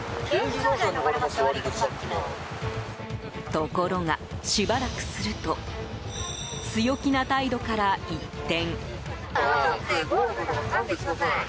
ところが、しばらくすると強気な態度から一転。